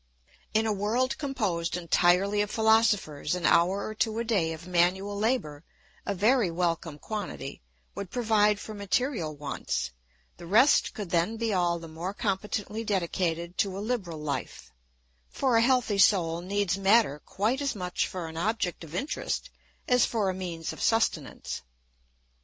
In a world composed entirely of philosophers an hour or two a day of manual labour—a very welcome quantity—would provide for material wants; the rest could then be all the more competently dedicated to a liberal life; for a healthy soul needs matter quite as much for an object of interest as for a means of sustenance.